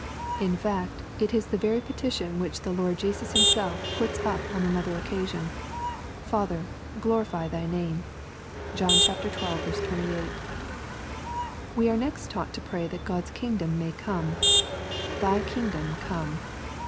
In fact, it is the very petition which the Lord Jesus Himself puts up on another oc casion, "Father, glorify thy name." (Juhn xii. 28.) We are next taught to pray that God's kingdom may come :" Thy kingdom come.''